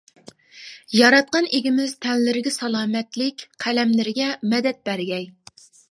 ياراتقان ئىگىمىز تەنلىرىگە سالامەتلىك، قەلەملىرىگە مەدەت بەرگەي.